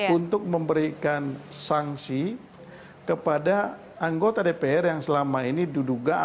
untuk memberikan sanksi kepada anggota dpr yang selama ini diduga atau sudah diduga